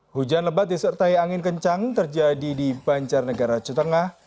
hujan lebat disertai angin kencang terjadi di banjar negara cetengah